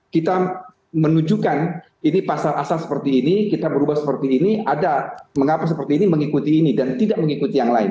kita menunjukkan ini pasal asal seperti ini kita berubah seperti ini ada mengapa seperti ini mengikuti ini dan tidak mengikuti yang lain